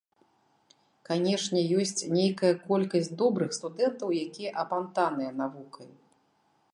Канешне, ёсць нейкая колькасць добрых студэнтаў, якія апантаныя навукай.